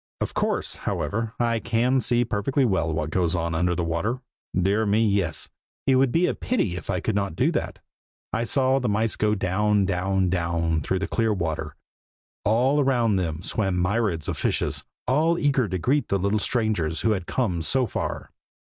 Of course, however, I can see perfectly well what goes on under the water. Dear me, yes! it would be a pity if I could not do that. I saw the mice go down, down, down, through the clear water. All around them swam myriads of fishes, all eager to greet the little strangers who had come so far.